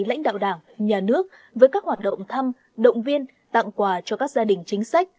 lãnh đạo đảng nhà nước với các hoạt động thăm động viên tặng quà cho các gia đình chính sách